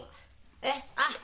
えっ？